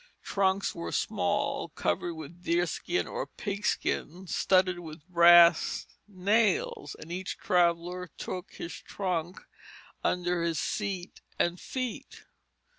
Trunks were small, covered with deerskin or pigskin, studded with brass nails; and each traveller took his trunk under his seat and feet.